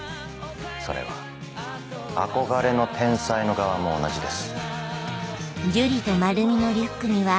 それは憧れの天才の側も同じです。